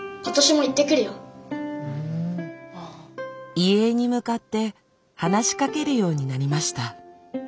遺影に向かって話しかけるようになりました。